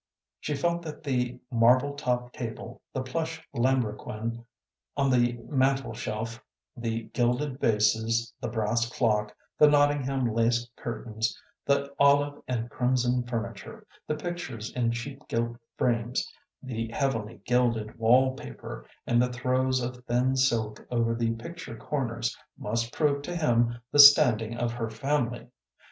She felt that the marble top table, the plush lambrequin on the mantle shelf, the gilded vases, the brass clock, the Nottingham lace curtains, the olive and crimson furniture, the pictures in cheap gilt frames, the heavily gilded wall paper, and the throws of thin silk over the picture corners must prove to him the standing of her family.